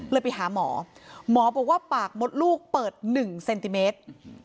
ไปหาหมอหมอบอกว่าปากมดลูกเปิด๑เซนติเมตร